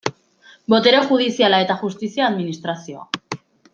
Botere judiziala eta justizia administrazioa.